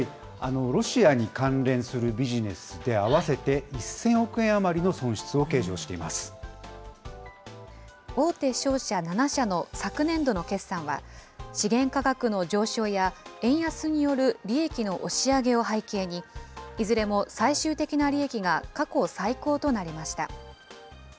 ロシアに関連するビジネスで合わせて１０００億円余りの損失大手商社７社の昨年度の決算は、資源価格の上昇や、円安による利益の押し上げを背景に、いずれも最終的な利益が過去最高となりました。